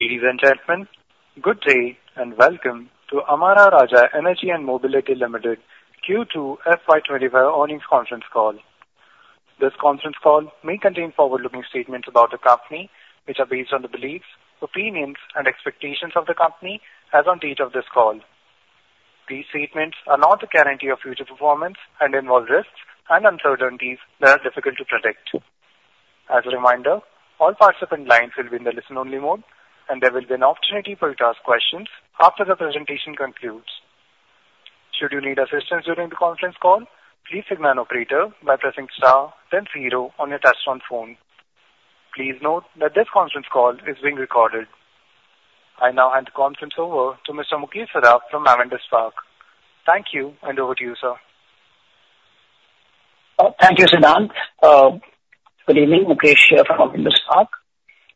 Ladies and gentlemen, good day and welcome to Amara Raja Energy & Mobility Limited Q2 FY25 earnings conference call. This conference call may contain forward-looking statements about the company, which are based on the beliefs, opinions, and expectations of the company as on date of this call. These statements are not a guarantee of future performance and involve risks and uncertainties that are difficult to predict. As a reminder, all participant lines will be in the listen-only mode, and there will be an opportunity for you to ask questions after the presentation concludes. Should you need assistance during the conference call, please signal an operator by pressing star then zero on your touch-on phone. Please note that this conference call is being recorded. I now hand the conference over to Mr. Mukesh Saraf from Avendus Spark. Thank you, and over to you, sir. Thank you, Siddhant. Good evening, Mukesh here from Avendus Spark.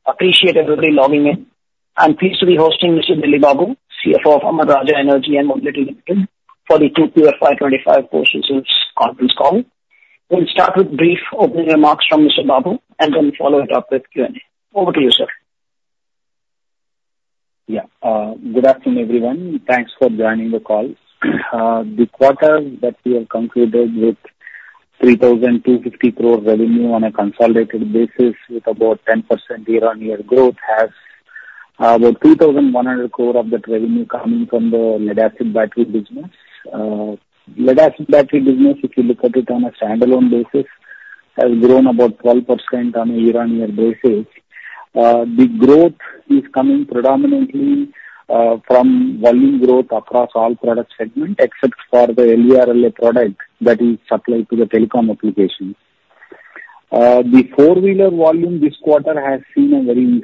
Appreciate everybody logging in. I'm pleased to be hosting Mr. Delli Babu, CFO of Amara Raja Energy & Mobility Limited, for the Q2 FY25 post-results conference call. We'll start with brief opening remarks from Mr. Babu and then follow it up with Q&A. Over to you, sir. Yeah, good afternoon, everyone. Thanks for joining the call. The quarter that we have concluded with 3,250 crore revenue on a consolidated basis with about 10% year-on-year growth has about 2,100 crore of that revenue coming from the lead-acid battery business. Lead-acid battery business, if you look at it on a standalone basis, has grown about 12% on a year-on-year basis. The growth is coming predominantly from volume growth across all product segments, except for the VRLA product that is supplied to the telecom application. The four-wheeler volume this quarter has seen a very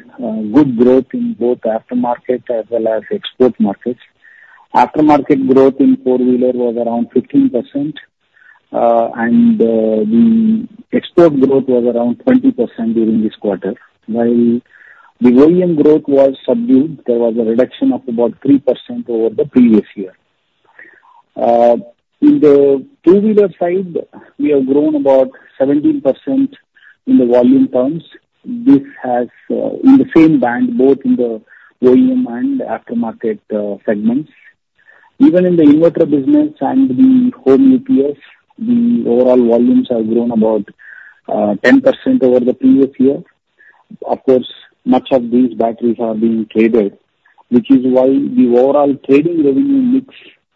good growth in both aftermarket as well as export markets. Aftermarket growth in four-wheeler was around 15%, and the export growth was around 20% during this quarter. While the OEM growth was subdued, there was a reduction of about 3% over the previous year. In the two-wheeler side, we have grown about 17% in the volume terms. This has in the same band, both in the OEM and aftermarket segments. Even in the inverter business and the home UPS, the overall volumes have grown about 10% over the previous year. Of course, much of these batteries are being traded, which is why the overall trading revenue mix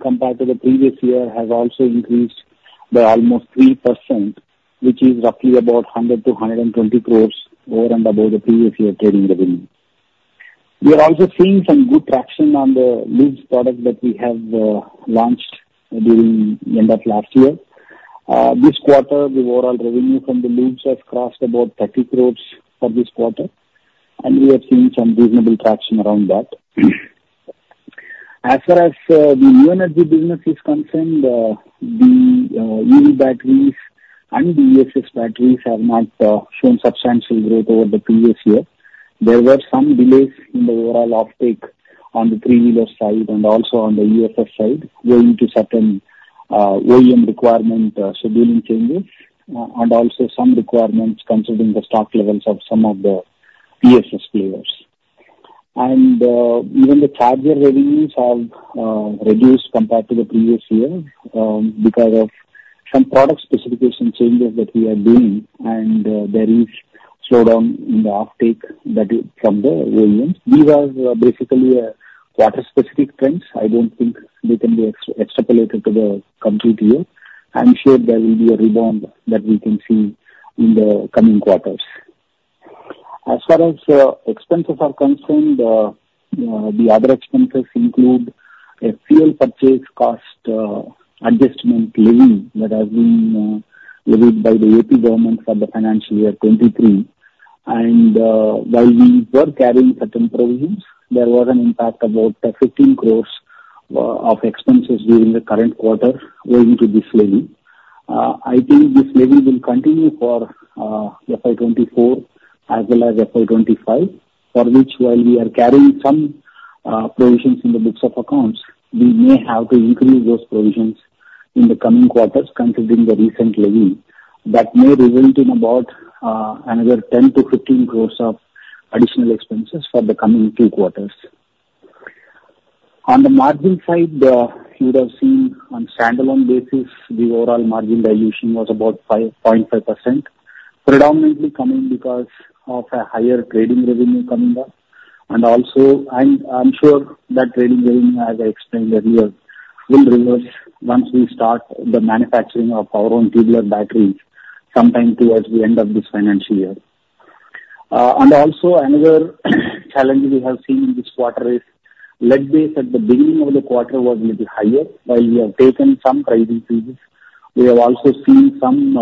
compared to the previous year has also increased by almost 3%, which is roughly about 100-120 crore over and above the previous year trading revenue. We are also seeing some good traction on the Lubes product that we have launched during the end of last year. This quarter, the overall revenue from the Lubes has crossed about 30 crore for this quarter, and we have seen some reasonable traction around that. As far as the new energy business is concerned, the EV batteries and the ESS batteries have not shown substantial growth over the previous year. There were some delays in the overall offtake on the three-wheeler side and also on the ESS side, due to certain OEM requirement scheduling changes and also some requirements considering the stock levels of some of the ESS players. And even the charger revenues have reduced compared to the previous year because of some product specification changes that we are doing, and there is a slowdown in the offtake from the OEMs. These are basically quarter-specific trends. I don't think they can be extrapolated to the complete year. I'm sure there will be a rebound that we can see in the coming quarters. As far as expenses are concerned, the other expenses include a fuel purchase cost adjustment levy that has been levied by the AP government for the financial year 2023. And while we were carrying certain provisions, there was an impact of about 15 crore of expenses during the current quarter owing to this levy. I think this levy will continue for FY 2024 as well as FY 2025, for which, while we are carrying some provisions in the books of accounts, we may have to increase those provisions in the coming quarters considering the recent levy. That may result in about another 10 crore to 15 crore of additional expenses for the coming two quarters. On the margin side, you would have seen on a standalone basis, the overall margin dilution was about 5.5%, predominantly coming because of a higher trading revenue coming up. And also, I'm sure that trading revenue, as I explained earlier, will reverse once we start the manufacturing of our own tubular batteries sometime towards the end of this financial year. And also, another challenge we have seen in this quarter is lead price at the beginning of the quarter was a little higher, while we have taken some price increases. We have also seen some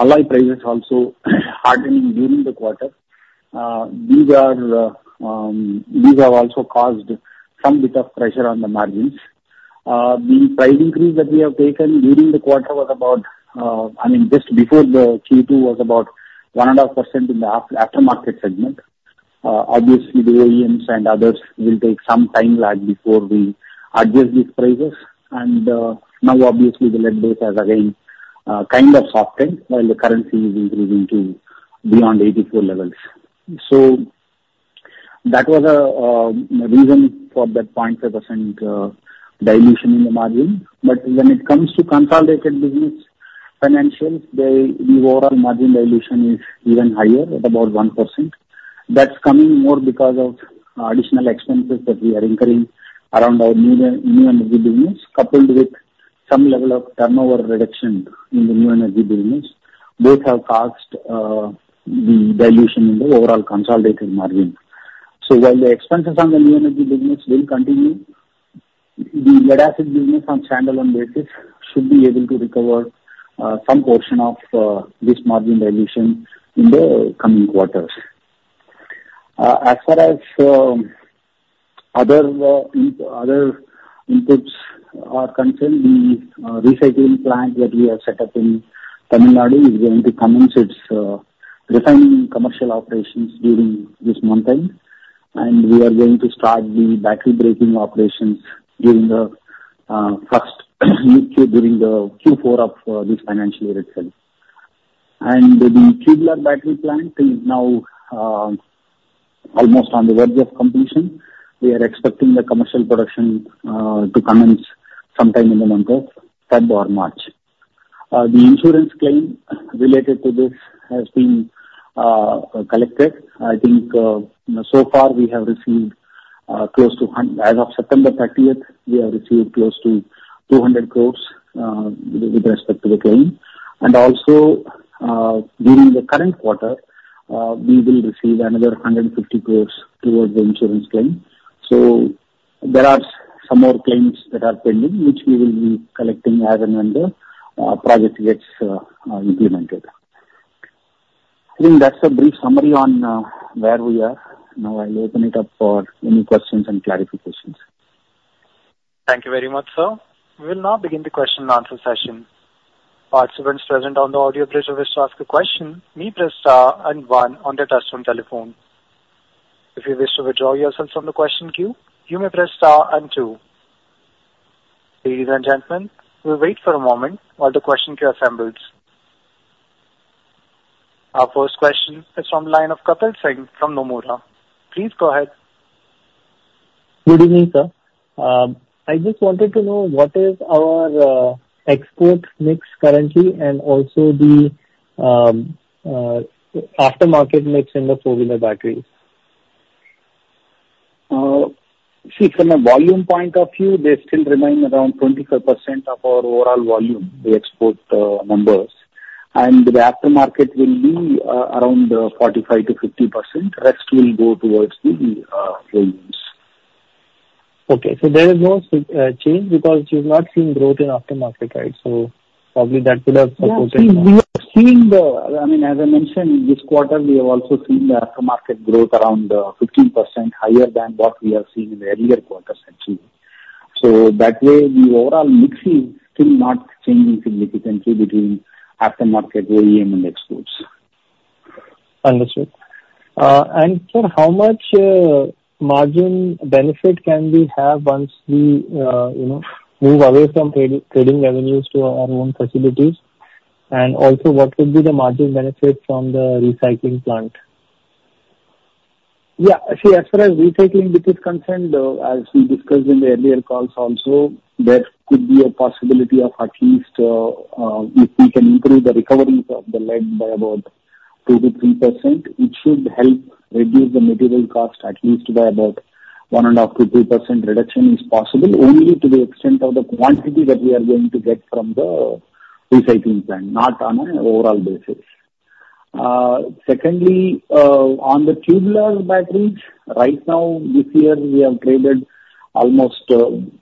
alloy prices also hardening during the quarter. These have also caused some bit of pressure on the margins. The price increase that we have taken during the quarter was about, I mean, just before the Q2, was about 1.5% in the aftermarket segment. Obviously, the OEMs and others will take some time lag before we adjust these prices. And now, obviously, the lead price has again kind of softened while the currency is increasing to beyond 84 levels. So that was a reason for that 0.5% dilution in the margin. But when it comes to consolidated business financials, the overall margin dilution is even higher at about 1%. That's coming more because of additional expenses that we are incurring around our new energy business, coupled with some level of turnover reduction in the new energy business. Both have caused the dilution in the overall consolidated margin. So while the expenses on the new energy business will continue, the lead-acid business on a standalone basis should be able to recover some portion of this margin dilution in the coming quarters. As far as other inputs are concerned, the recycling plant that we have set up in Tamil Nadu is going to commence its refining commercial operations during this month, and we are going to start the battery breaking operations during the first Q4 of this financial year itself. The tubular battery plant is now almost on the verge of completion. We are expecting the commercial production to commence sometime in the month of February or March. The insurance claim related to this has been collected. I think so far we have received close to, as of September 30th, we have received close to 200 crores with respect to the claim. And also, during the current quarter, we will receive another 150 crores towards the insurance claim. So there are some more claims that are pending, which we will be collecting as and when the project gets implemented. I think that's a brief summary on where we are. Now, I'll open it up for any questions and clarifications. Thank you very much, sir. We will now begin the question and answer session. Participants present on the audio bridge who wish to ask a question may press star and one on their touch-tone telephone. If you wish to withdraw yourselves from the question queue, you may press star and two. Ladies and gentlemen, we'll wait for a moment while the question queue assembles. Our first question is from the line of Kapil Singh from Nomura. Please go ahead. Good evening, sir. I just wanted to know what is our export mix currently and also the aftermarket mix in the four-wheeler batteries? See, from a volume point of view, they still remain around 25% of our overall volume, the export numbers. And the aftermarket will be around 45% to 50%. The rest will go towards the volumes. Okay. So there is no change because you've not seen growth in aftermarket, right? So probably that would have supported. See, we have seen the, I mean, as I mentioned, this quarter, we have also seen the aftermarket growth around 15% higher than what we have seen in the earlier quarters, actually. So that way, the overall mix is still not changing significantly between aftermarket, OEM, and exports. Understood. And, sir, how much margin benefit can we have once we move away from trading revenues to our own facilities? And also, what would be the margin benefit from the recycling plant? Yeah. See, as far as the recycling bit is concerned, as we discussed in the earlier calls also, there could be a possibility of at least, if we can improve the recovery of the lead by about 2% to 3%, it should help reduce the material cost at least by about 1.5% to 2% reduction is possible, only to the extent of the quantity that we are going to get from the recycling plant, not on an overall basis. Secondly, on the tubular batteries, right now, this year, we have traded almost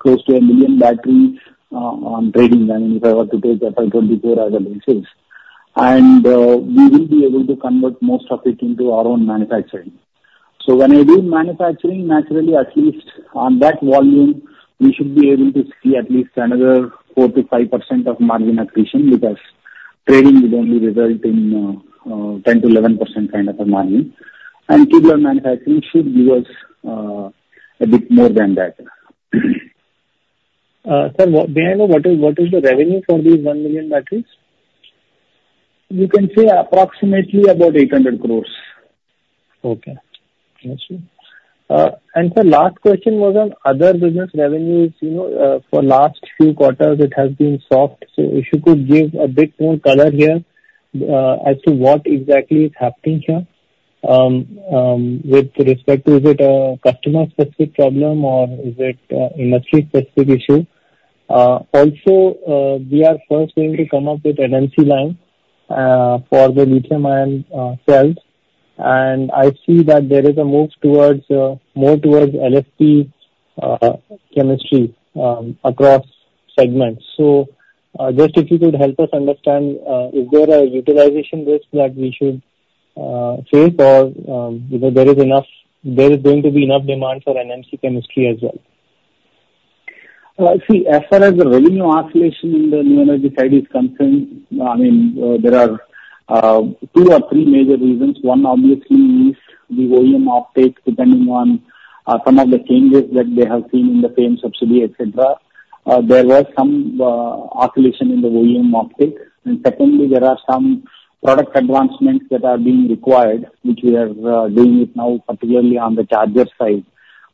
close to a million batteries on trading. I mean, if I were to take FY24 as a basis, and we will be able to convert most of it into our own manufacturing. So when I do manufacturing, naturally, at least on that volume, we should be able to see at least another 4% to 5% of margin accretion because trading would only result in 10% to 11% kind of a margin. And tubular manufacturing should give us a bit more than that. Sir, what is the revenue for these one million batteries? You can say approximately about 800 crores. Okay. Understood. And sir, last question was on other business revenues. For the last few quarters, it has been soft. So if you could give a bit more color here as to what exactly is happening here with respect to, is it a customer-specific problem or is it an industry-specific issue? Also, we are first going to come up with an NMC line for the lithium-ion cells. And I see that there is a move towards more towards LFP chemistry across segments. So just if you could help us understand, is there a utilization risk that we should face or there is enough, there is going to be enough demand for NMC chemistry as well? See, as far as the revenue oscillation in the new energy side is concerned, I mean, there are two or three major reasons. One, obviously, is the OEM uptake, depending on some of the changes that they have seen in the FAME subsidy, etc. There was some oscillation in the OEM uptake. And secondly, there are some product advancements that are being required, which we are doing it now, particularly on the charger side,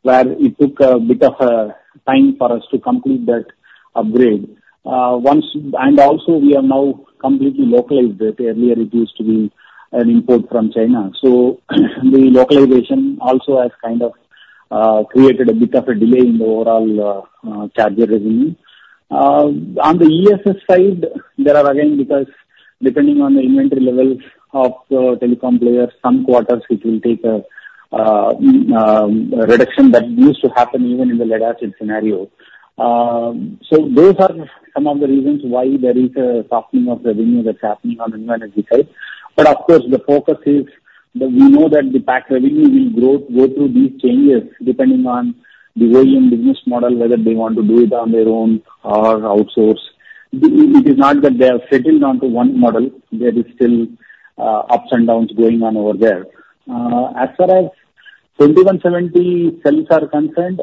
where it took a bit of time for us to complete that upgrade. And also, we have now completely localized it. Earlier, it used to be an import from China. So the localization also has kind of created a bit of a delay in the overall charger revenue. On the ESS side, there are again, because depending on the inventory levels of telecom players, some quarters, it will take a reduction that used to happen even in the lead-acid scenario. So those are some of the reasons why there is a softening of revenue that's happening on the new energy side. But of course, the focus is that we know that the APAC revenue will grow through these changes, depending on the OEM business model, whether they want to do it on their own or outsource. It is not that they have settled onto one model. There are still ups and downs going on over there. As far as 2170 cells are concerned,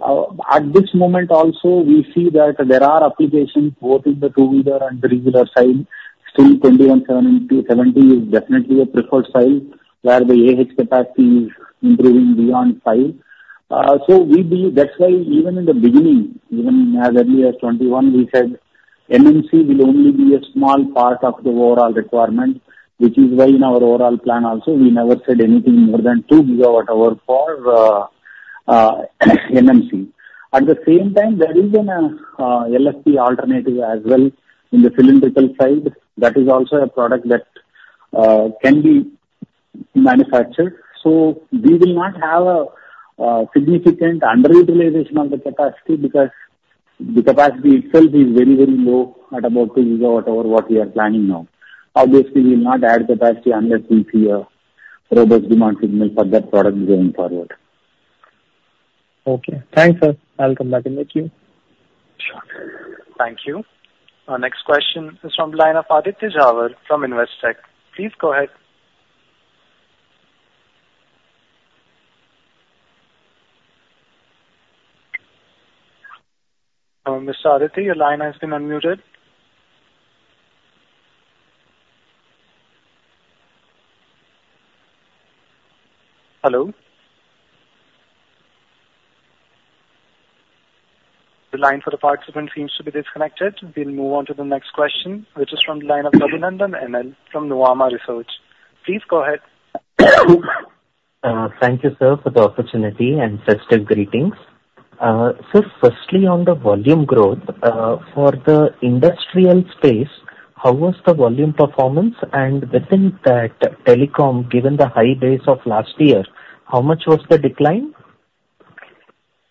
at this moment, also, we see that there are applications both in the two-wheeler and the regular side. Still, 2170 is definitely a preferred style where the capacity is improving beyond five. So that's why, even in the beginning, even as early as 2021, we said NMC will only be a small part of the overall requirement, which is why in our overall plan, also, we never said anything more than 2 gigawatt-hour for NMC. At the same time, there is an LFP alternative as well in the cylindrical side. That is also a product that can be manufactured. So we will not have a significant underutilization of the capacity because the capacity itself is very, very low at about 2 gigawatt-hour what we are planning now. Obviously, we will not add capacity unless we see a robust demand signal for that product going forward. Okay. Thanks, sir. I'll come back in the queue. Sure. Thank you. Our next question is from the line of Aditya Jhawar from Investec. Please go ahead. Mr. Aditya, your line has been unmuted. Hello? The line for the participant seems to be disconnected. We'll move on to the next question, which is from the line of Raghunandan N.L. from Nuvama Wealth Management. Please go ahead. Thank you, sir, for the opportunity and festive greetings. Sir, firstly, on the volume growth for the industrial space, how was the volume performance? And within that telecom, given the high base of last year, how much was the decline?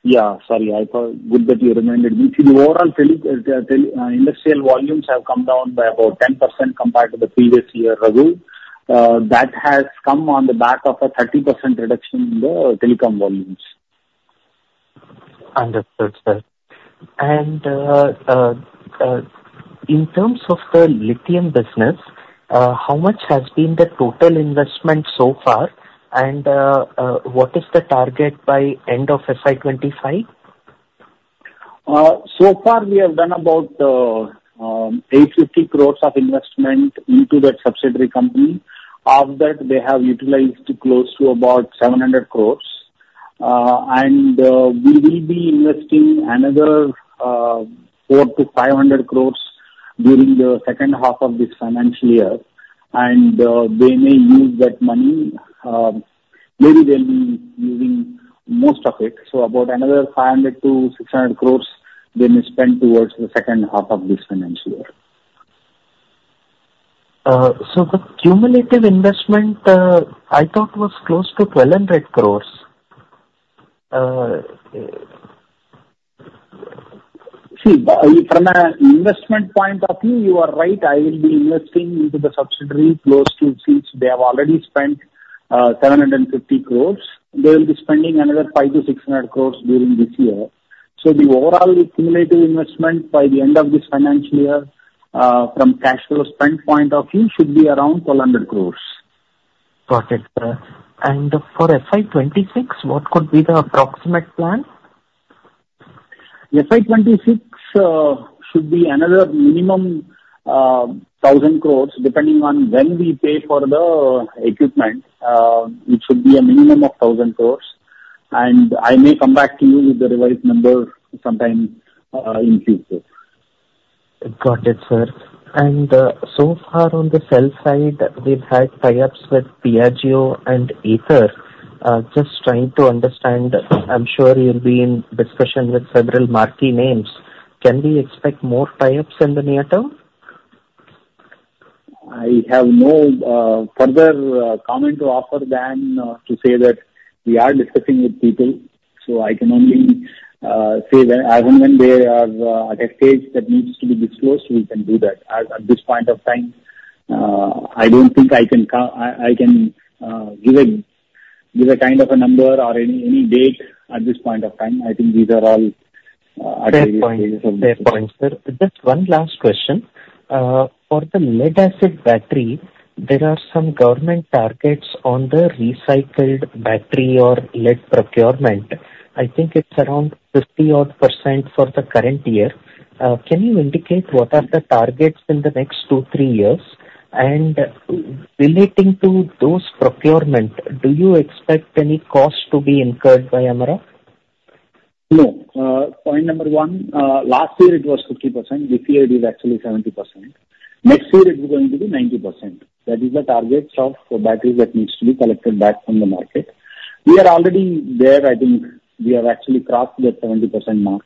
Yeah. Sorry, I thought good that you reminded me. See, the overall industrial volumes have come down by about 10% compared to the previous year, Raghu. That has come on the back of a 30% reduction in the telecom volumes. Understood, sir. And in terms of the lithium business, how much has been the total investment so far, and what is the target by end of FY25? So far, we have done about 850 crores of investment into that subsidiary company. Of that, they have utilized close to about 700 crores. We will be investing another 400 to 500 crores during the second half of this financial year. They may use that money. Maybe they'll be using most of it. About another 500 to 600 crores they may spend towards the second half of this financial year. The cumulative investment, I thought, was close to 1,200 crores. See, from an investment point of view, you are right. I will be investing into the subsidiary close to, since they have already spent 750 crores, they will be spending another 500 to 600 crores during this year. So the overall cumulative investment by the end of this financial year from cash flow spend point of view should be around 1,200 crores. Got it, sir. For FY26, what could be the approximate plan? FY26 should be another minimum 1,000 crores, depending on when we pay for the equipment. It should be a minimum of 1,000 crores, and I may come back to you with the revised number sometime in future. Got it, sir. And so far on the cell side, we've had tie-ups with Piaggio and Ather. Just trying to understand, I'm sure you'll be in discussion with several marquee names. Can we expect more tie-ups in the near term? I have no further comment to offer than to say that we are discussing with people. So I can only say that when they are at a stage that needs to be disclosed, we can do that. At this point of time, I don't think I can give a kind of a number or any date at this point of time. I think these are all at a stage of discussion. Fair point. Fair point, sir. Just one last question. For the lead-acid battery, there are some government targets on the recycled battery or lead procurement. I think it's around 50-odd% for the current year. Can you indicate what are the targets in the next two, three years? And relating to those procurement, do you expect any cost to be incurred by Amara? No. Point number one, last year it was 50%. This year, it is actually 70%. Next year, it is going to be 90%. That is the target of batteries that needs to be collected back from the market. We are already there. I think we have actually crossed that 70% mark.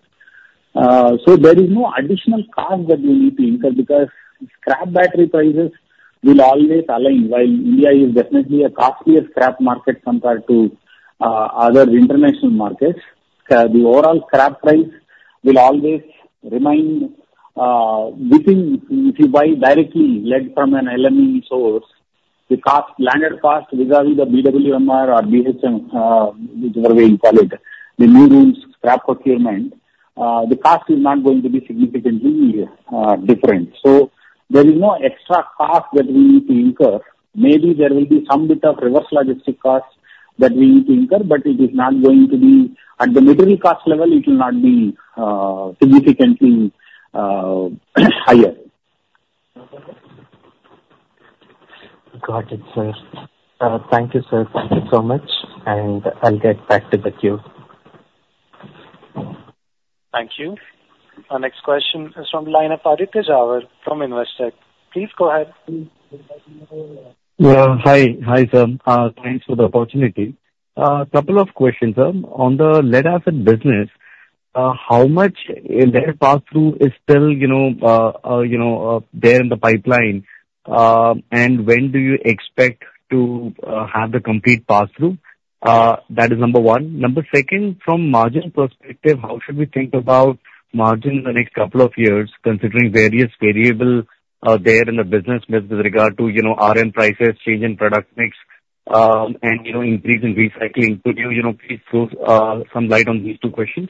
So there is no additional cost that we need to incur because scrap battery prices will always align. While India is definitely a costlier scrap market compared to other international markets, the overall scrap price will always remain. If you buy directly lead from an LME source, the cost, landed cost, vis-à-vis the BWMR or BMHR, whichever way you call it, the new rules scrap procurement, the cost is not going to be significantly different. So there is no extra cost that we need to incur. Maybe there will be some bit of reverse logistic cost that we need to incur, but it is not going to be at the material cost level. It will not be significantly higher. Got it, sir. Thank you, sir. Thank you so much. And I'll get back to the queue. Thank you. Our next question is from the line of Aditya Jhawar from Investec. Please go ahead. Hi. Hi, sir. Thanks for the opportunity. A couple of questions, sir. On the lead-acid business, how much lead pass-through is still there in the pipeline? And when do you expect to have the complete pass-through? That is number one. Number second, from margin perspective, how should we think about margin in the next couple of years, considering various variables there in the business with regard to RM prices, change in product mix, and increase in recycling? Could you please throw some light on these two questions?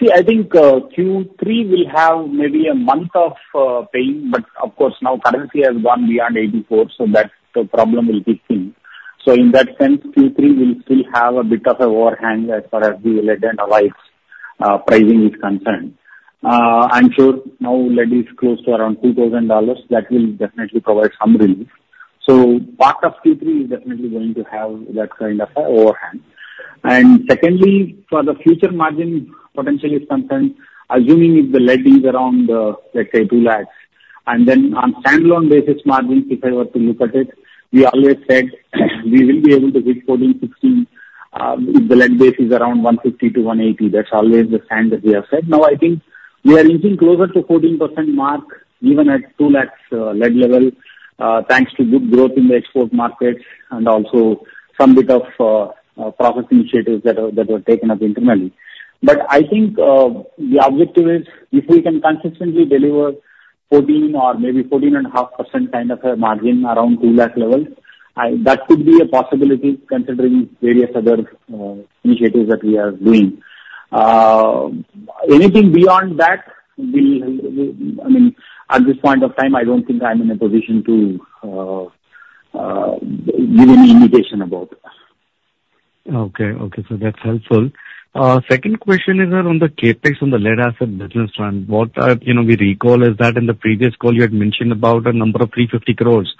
See, I think Q3 will have maybe a month of pain, but of course, now currency has gone beyond 84, so that problem will be seen. So in that sense, Q3 will still have a bit of a overhang as far as the lead and allied pricing is concerned. I'm sure now lead is close to around $2,000. That will definitely provide some relief. So part of Q3 is definitely going to have that kind of an overhang. And secondly, for the future margin potential is concerned, assuming if the lead is around, let's say, 2 lakhs. And then on standalone basis margins, if I were to look at it, we always said we will be able to hit 14, 16 if the lead base is around 150 to 180. That's always the standard we have said. Now, I think we are inching closer to 14% mark even at 2 lakhs lead level, thanks to good growth in the export markets and also some bit of process initiatives that were taken up internally. But I think the objective is if we can consistently deliver 14% or maybe 14.5% kind of a margin around 2 lakh level, that could be a possibility considering various other initiatives that we are doing. Anything beyond that, I mean, at this point of time, I don't think I'm in a position to give any indication about. Okay. Okay. So that's helpful. Second question is on the CapEx on the lead-acid business front. What we recall is that in the previous call, you had mentioned about a number of 350 crores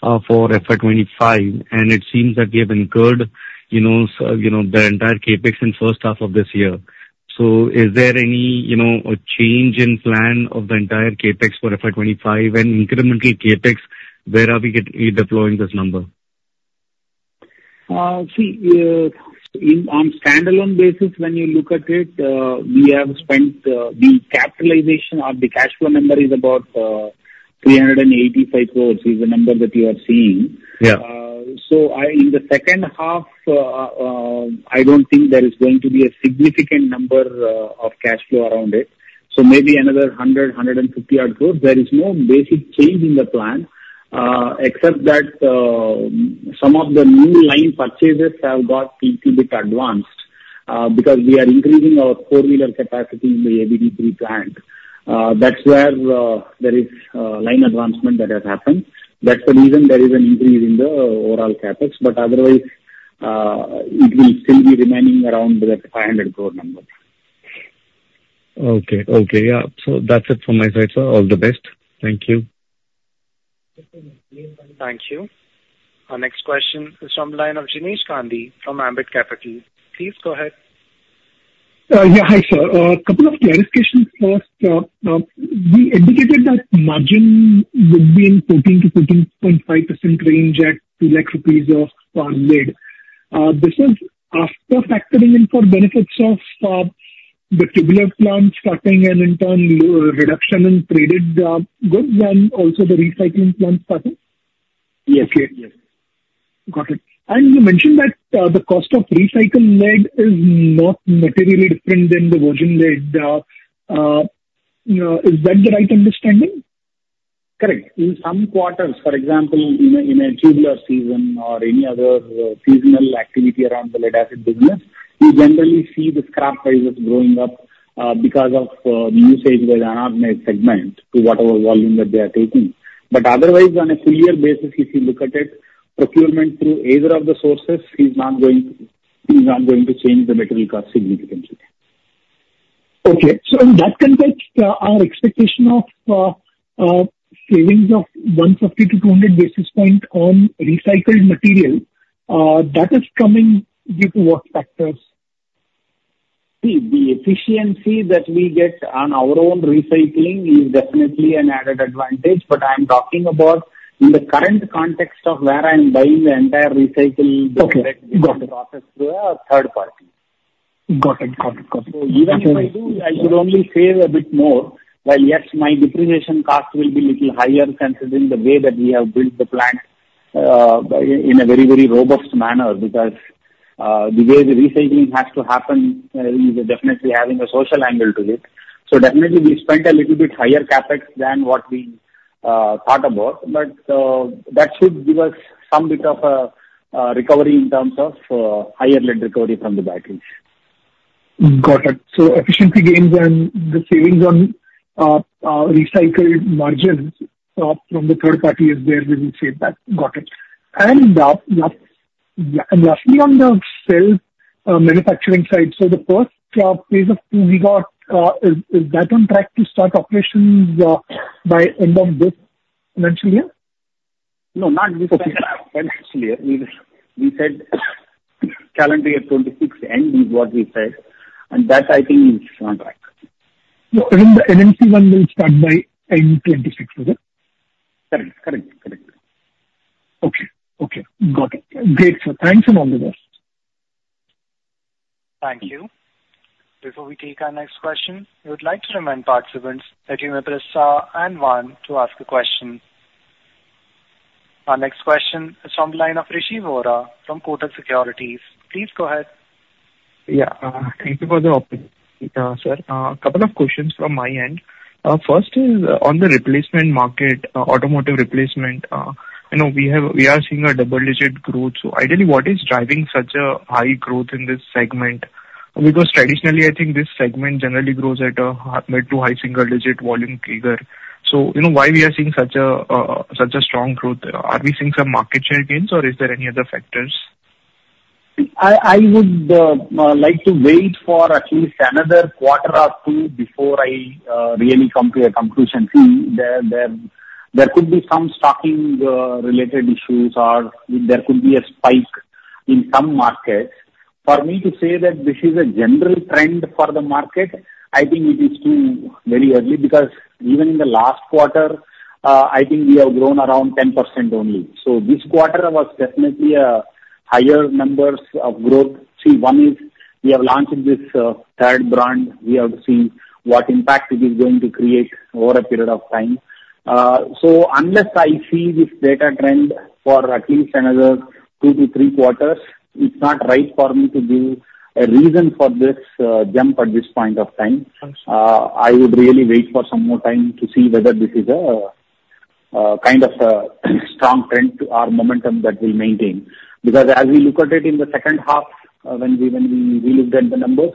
for FY25. And it seems that you have incurred the entire CapEx in the first half of this year. So is there any change in plan of the entire CapEx for FY25 and incremental CapEx? Where are we deploying this number? See, on standalone basis, when you look at it, we have spent. The capitalization of the cash flow number is about 385 crore, is the number that you are seeing. So in the second half, I don't think there is going to be a significant number of cash flow around it. So maybe another 100, 150-odd crore. There is no basic change in the plan, except that some of the new line purchases have gotten a little bit advanced because we are increasing our four-wheeler capacity in the ABD3 plant. That's where there is line advancement that has happened. That's the reason there is an increase in the overall CapEx. But otherwise, it will still be remaining around that 500 crore number. Okay. Okay. Yeah. So that's it from my side, sir. All the best. Thank you. Thank you. Our next question is from the line of Jinesh Gandhi from Ambit Capital. Please go ahead. Yeah. Hi, sir. A couple of clarifications first. We indicated that margin would be in 14% to 14.5% range at 2 lakh rupees of lead. This is after factoring in for benefits of the tubular plant starting an internal reduction in traded goods and also the recycling plant starting? Yes. Yes. Got it. And you mentioned that the cost of recycled lead is not materially different than the virgin lead. Is that the right understanding? Correct. In some quarters, for example, in a tubular season or any other seasonal activity around the lead-acid business, you generally see the scrap prices going up because of the usage that is anonymized segment to whatever volume that they are taking. But otherwise, on a full-year basis, if you look at it, procurement through either of the sources is not going to change the material cost significantly. Okay. So in that context, our expectation of savings of 150 to 200 basis points on recycled material, that is coming due to what factors? See, the efficiency that we get on our own recycling is definitely an added advantage. But I'm talking about in the current context of where I'm buying the entire recycled process through a third party. Got it. So even if I do, I should only save a bit more. While, yes, my depreciation cost will be a little higher considering the way that we have built the plant in a very, very robust manner because the way the recycling has to happen is definitely having a social angle to it. So definitely, we spent a little bit higher Capex than what we thought about. But that should give us some bit of a recovery in terms of higher lead recovery from the batteries. Got it. So efficiency gains and the savings on recycled margins from the third party is there within standalone. Got it. And lastly, on the cell manufacturing side, so the first phase of 2 GWh, is that on track to start operations by end of this financial year? No, not this financial year. We said calendar year 2026 end is what we said. And that, I think, is on track. So the LME one will start by end 2026, is it? Correct. Correct. Correct. Okay. Okay. Got it. Great, sir. Thanks for all the rest. Thank you. Before we take our next question, we would like to remind participants that you may press star and one to ask a question. Our next question is from the line of Rishi Vora from Kotak Securities. Please go ahead. Yeah. Thank you for the opportunity, sir. A couple of questions from my end. First is on the replacement market, automotive replacement. We are seeing a double-digit growth. So ideally, what is driving such a high growth in this segment? Because traditionally, I think this segment generally grows at a mid to high single-digit volume figure. So why are we seeing such a strong growth? Are we seeing some market share gains, or is there any other factors? I would like to wait for at least another quarter or two before I really come to a conclusion. See, there could be some stocking-related issues, or there could be a spike in some markets. For me to say that this is a general trend for the market, I think it is too very early because even in the last quarter, I think we have grown around 10% only. So this quarter was definitely a higher numbers of growth. See, one is we have launched this third brand. We have seen what impact it is going to create over a period of time. So unless I see this data trend for at least another two to three quarters, it's not right for me to give a reason for this jump at this point of time. I would really wait for some more time to see whether this is a kind of strong trend or momentum that will maintain. Because as we look at it in the second half, when we looked at the numbers,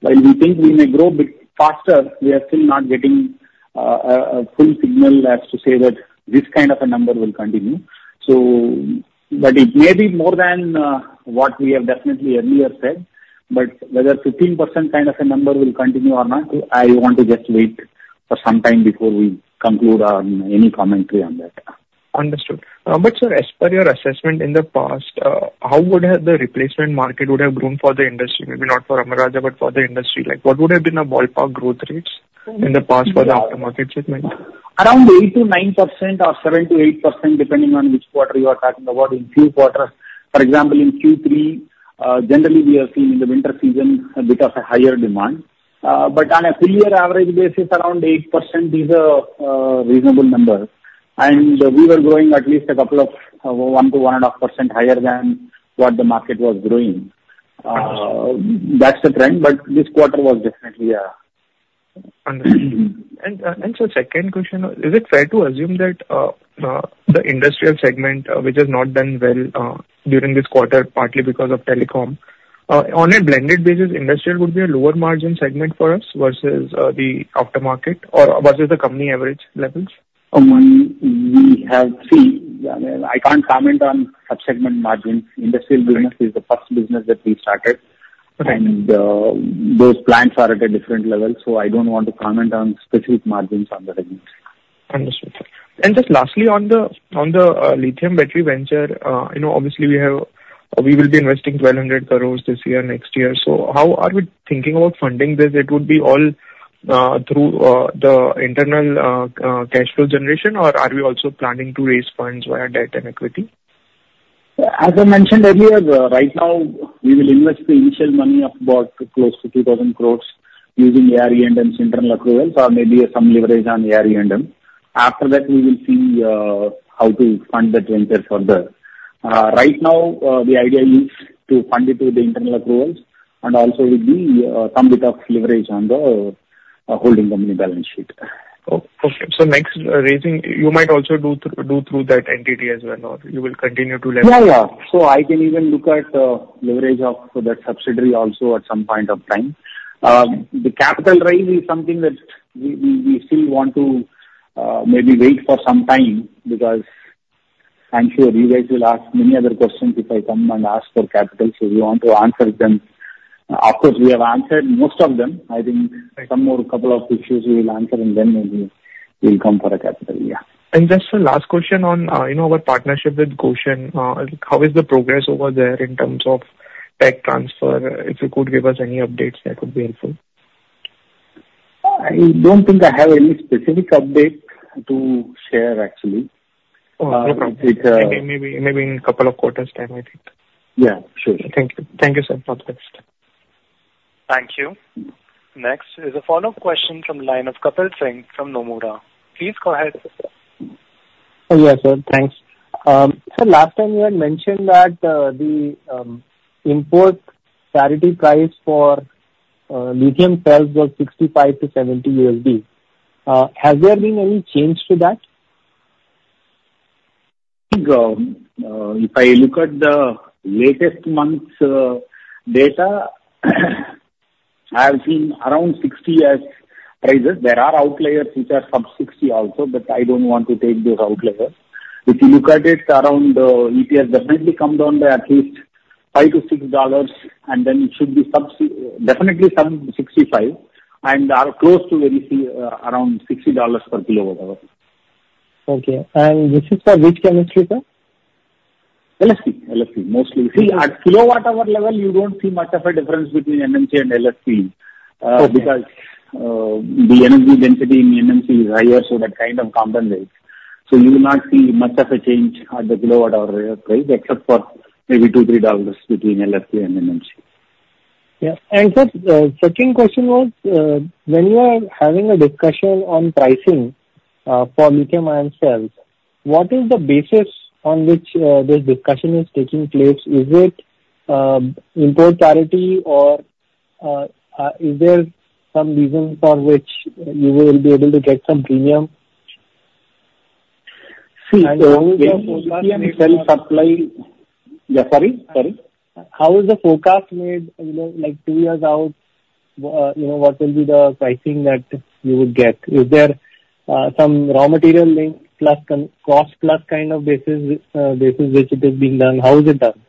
while we think we may grow a bit faster, we are still not getting a full signal as to say that this kind of a number will continue. But it may be more than what we have definitely earlier said. But whether 15% kind of a number will continue or not, I want to just wait for some time before we conclude any commentary on that. Understood. But sir, as per your assessment in the past, how would the replacement market have grown for the industry? Maybe not for Amara Raja, but for the industry. What would have been the ballpark growth rates in the past for the aftermarket segment? Around 8% to 9% or 7% to 8%, depending on which quarter you are talking about. In Q4, for example, in Q3, generally, we are seeing in the winter season a bit of a higher demand, but on a full-year average basis, around 8% is a reasonable number, and we were growing at least a couple of 1% to 1.5% higher than what the market was growing. That's the trend, but this quarter was definitely a. Understood. And sir, second question, is it fair to assume that the industrial segment, which has not done well during this quarter, partly because of telecom, on a blended basis, industrial would be a lower margin segment for us versus the aftermarket or versus the company average levels? See, I can't comment on subsegment margins. Industrial business is the first business that we started, and those plants are at a different level, so I don't want to comment on specific margins on that. Understood. And just lastly, on the lithium battery venture, obviously, we will be investing 1,200 crores this year, next year. So how are we thinking about funding this? It would be all through the internal cash flow generation, or are we also planning to raise funds via debt and equity? As I mentioned earlier, right now, we will invest the initial money of about close to 2,000 crores using ARE&M's internal accruals or maybe some leverage on ARE&M's. After that, we will see how to fund that venture further. Right now, the idea is to fund it with the internal accruals and also with some bit of leverage on the holding company balance sheet. Okay, so next raising, you might also do through that entity as well, or you will continue to leverage? Yeah. Yeah. So, I can even look at leverage of that subsidiary also at some point of time. The capital raise is something that we still want to maybe wait for some time, because I'm sure you guys will ask many other questions if I come and ask for capital. So we want to answer them. Of course, we have answered most of them. I think some more couple of issues we will answer, and then we'll come for a capital. Yeah. Just the last question on our partnership with Gotion. How is the progress over there in terms of tech transfer? If you could give us any updates, that would be helpful. I don't think I have any specific update to share, actually. Oh, no problem. Maybe in a couple of quarters' time, I think. Yeah. Sure. Thank you. Thank you, sir. God bless. Thank you. Next is a follow-up question from the line of Kapil Singh from Nomura. Please go ahead. Yes, sir. Thanks. Sir, last time you had mentioned that the import parity price for lithium cells was $65 to $70. Has there been any change to that? If I look at the latest month's data, I have seen around $60 as prices. There are outliers which are sub-$60 also, but I don't want to take those outliers. If you look at it, around LFP definitely comes down to at least $50 to $60, and then it should be definitely $65 and close to around $60 per kilowatt-hour. Okay. And this is for which chemistry, sir? LFP. LFP. Mostly. See, at kilowatt-hour level, you don't see much of a difference between NMC and LFP because the energy density in NMC is higher, so that kind of compensates. So you will not see much of a change at the kilowatt-hour price, except for maybe $2 to $3 between LFP and NMC. Yeah. And, sir, second question was, when you are having a discussion on pricing for lithium-ion cells, what is the basis on which this discussion is taking place? Is it import parity, or is there some reason for which you will be able to get some premium? See, so lithium cell supply. Sorry. How is the forecast made? Like two years out, what will be the pricing that you would get? Is there some raw material link plus cost plus kind of basis which it is being done? How is it done?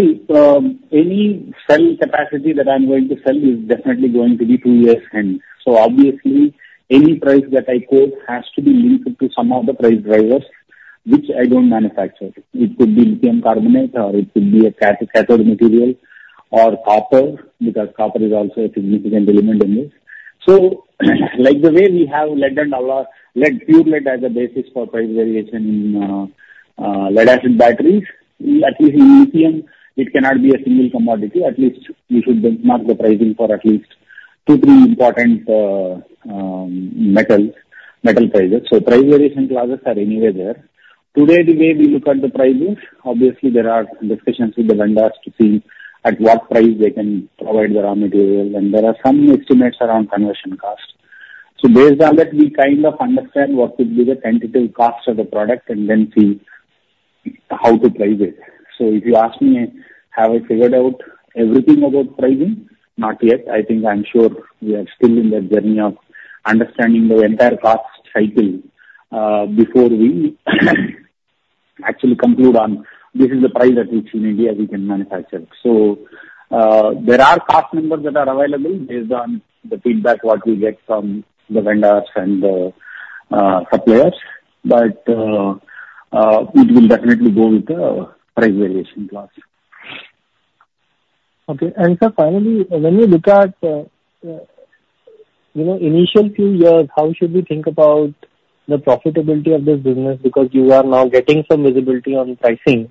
See, any cell capacity that I'm going to sell is definitely going to be two years end. So obviously, any price that I quote has to be linked to some of the price drivers, which I don't manufacture. It could be lithium carbonate, or it could be a cathode material, or copper because copper is also a significant element in this. So the way we have lead and pure lead as a basis for price variation in lead-acid batteries, at least in lithium, it cannot be a single commodity. At least you should mark the pricing for at least two, three important metal prices. So price variation clauses are anyway there. Today, the way we look at the prices, obviously, there are discussions with the vendors to see at what price they can provide the raw material. And there are some estimates around conversion cost. So based on that, we kind of understand what would be the tentative cost of the product and then see how to price it. So if you ask me have I figured out everything about pricing? Not yet. I think I'm sure we are still in the journey of understanding the entire cost cycle before we actually conclude on this is the price at which in India we can manufacture. So there are cost numbers that are available based on the feedback what we get from the vendors and the suppliers. But it will definitely go with the price variation clause. Okay. And sir, finally, when you look at initial few years, how should we think about the profitability of this business? Because you are now getting some visibility on pricing.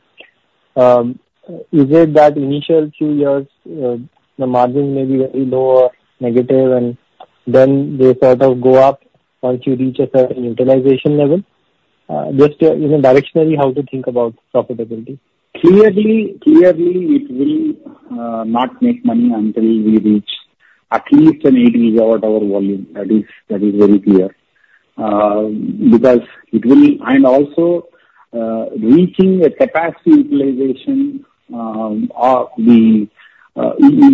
Is it that initial few years, the margins may be very low or negative, and then they sort of go up once you reach a certain utilization level? Just directionally, how to think about profitability? Clearly, it will not make money until we reach at least an 8 gigawatt-hour volume. That is very clear. Because it will. And also, reaching a capacity utilization is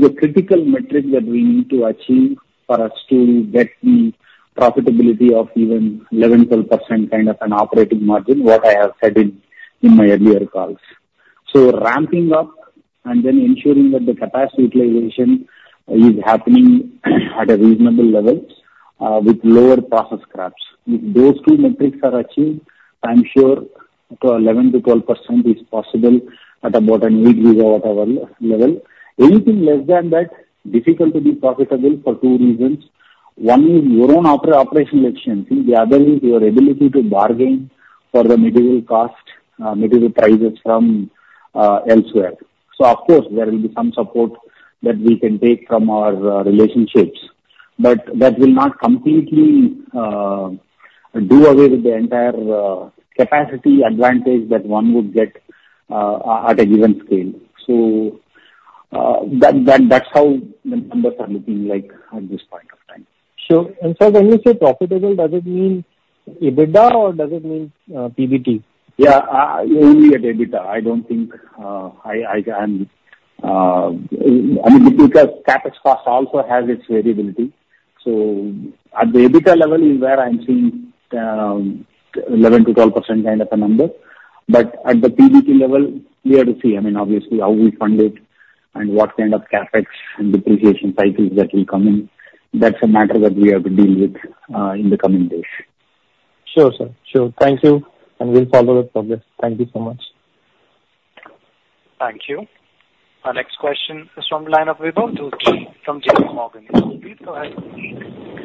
a critical metric that we need to achieve for us to get the profitability of even 11% to 12% kind of an operating margin, what I have said in my earlier calls. So ramping up and then ensuring that the capacity utilization is happening at a reasonable level with lower process scraps. If those two metrics are achieved, I'm sure 11% to 12% is possible at about an 8 gigawatt-hour level. Anything less than that, difficult to be profitable for two reasons. One is your own operational efficiency. The other is your ability to bargain for the material cost, material prices from elsewhere. So of course, there will be some support that we can take from our relationships. But that will not completely do away with the entire capacity advantage that one would get at a given scale. So that's how the numbers are looking like at this point of time. Sure. And sir, when you say profitable, does it mean EBITDA or does it mean PBT? Yeah. Only at EBITDA. I don't think I mean, because CapEx cost also has its variability. So at the EBITDA level is where I'm seeing 11% to 12% kind of a number. But at the PBT level, we have to see, I mean, obviously, how we fund it and what kind of CapEx and depreciation cycles that will come in. That's a matter that we have to deal with in the coming days. Sure, sir. Sure. Thank you, and we'll follow up. Thank you so much. Thank you. Our next question is from the of Emanuel from J.P. Morgan. Please go ahead.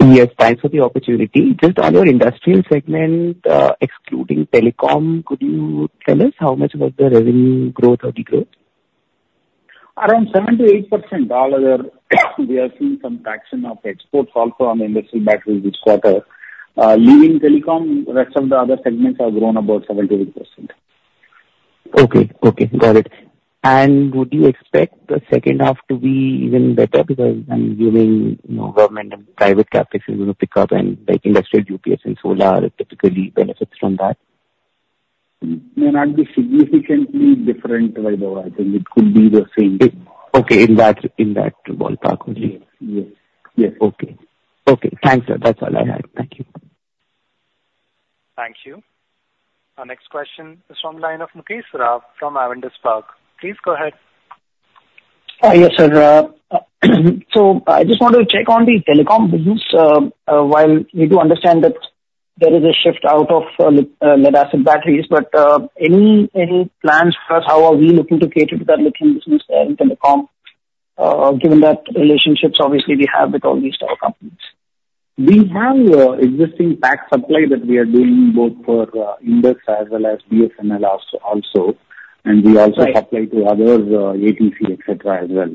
Yes. Thanks for the opportunity. Just on your industrial segment, excluding telecom, could you tell us how much was the revenue growth or degrowth? Around 7% to 8%. All other, we are seeing some traction of exports also on the industrial batteries each quarter. Leaving telecom, rest of the other segments have grown about 7% to 8%. Okay. Okay. Got it. And would you expect the second half to be even better? Because I'm assuming government and private CapEx is going to pick up, and industrial UPS and solar typically benefits from that. May not be significantly different, by the way. I think it could be the same. Okay. In that ballpark only. Yes. Yes. Okay. Okay. Thanks, sir. That's all I had. Thank you. Thank you. Our next question is from the line of Mukesh Saraf from Avendus Spark. Please go ahead. Yes, sir. So I just want to check on the telecom business. We do understand that there is a shift out of lead-acid batteries, but any plans for us? How are we looking to cater to that lithium business there in telecom, given that relationships obviously we have with all these telecom companies? We have existing pack supply that we are doing both for Indus Towers as well as BSNL also. And we also supply to other ATC, etc., as well.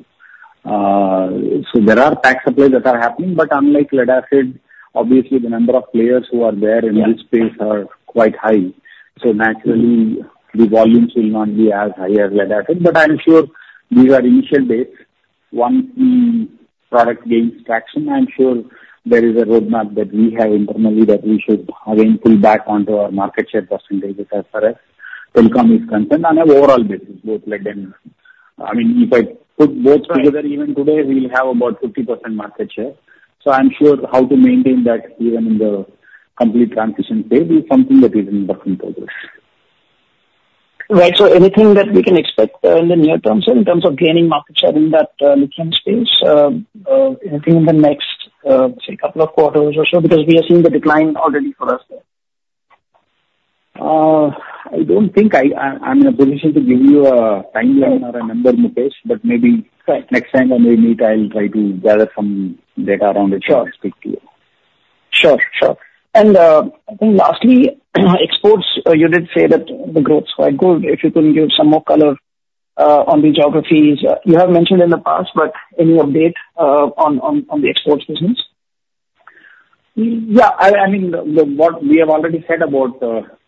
So there are pack supplies that are happening. But unlike lead-acid, obviously, the number of players who are there in this space are quite high. So naturally, the volumes will not be as high as lead-acid. But I'm sure these are initial days. Once the product gains traction, I'm sure there is a roadmap that we have internally that we should again pull back onto our market share percentages as far as telecom is concerned on an overall basis, both lead and I mean, if I put both together, even today, we'll have about 50% market share. So I'm sure how to maintain that even in the complete transition phase is something that is in the work in progress. Right. So anything that we can expect in the near term, sir, in terms of gaining market share in that lithium space? Anything in the next, say, couple of quarters or so? Because we are seeing the decline already for us there. I don't think I'm in a position to give you a timeline or a number, Mukesh. But maybe next time when we meet, I'll try to gather some data around it and speak to you. Sure. Sure. And I think lastly, exports, you did say that the growth's quite good. If you can give some more color on the geographies, you have mentioned in the past, but any update on the exports business? Yeah. I mean, what we have already said about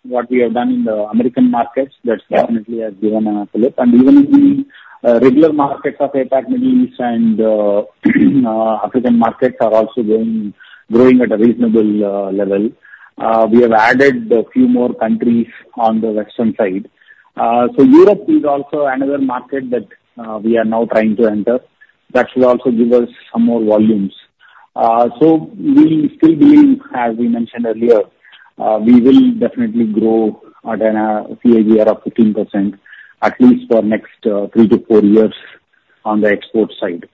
what we have done in the American markets, that definitely has given us a lift. And even in the regular markets of APAC, Middle East, and African markets are also growing at a reasonable level. We have added a few more countries on the western side. So Europe is also another market that we are now trying to enter. That should also give us some more volumes. So we still deal, as we mentioned earlier, we will definitely grow at a CAGR of 15%, at least for next three to four years on the export side.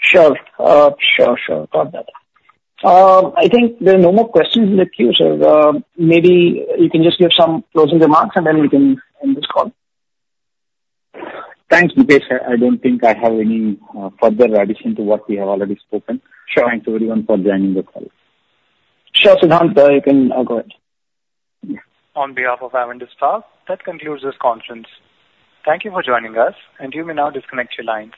Sure. Sure. Sure. Got that. I think there are no more questions in the queue, sir. Maybe you can just give some closing remarks, and then we can end this call. Thank you, Mukesh. I don't think I have any further addition to what we have already spoken. Thanks everyone for joining the call. Sure. Siddhant, you can go ahead. On behalf of Avendus Spark, that concludes this conference. Thank you for joining us, and you may now disconnect your lines.